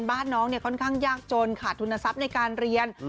บ้านน้องค่อนข้างยากจนขาดทุนทรัพย์ในการเรียน